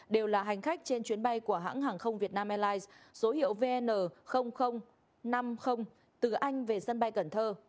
đều là hành khách trên chuyến bay của hãng hàng không việt nam airlines số hiệu vn năm mươi từ anh về sân bay cần thơ